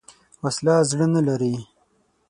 وسله زړه نه لري